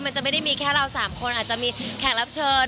มันจะไม่ได้มีแค่เรา๓คนอาจจะมีแขกรับเชิญ